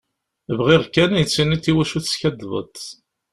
Bɣiɣ kan ad yi-d-tiniḍ iwacu teskaddbeḍ.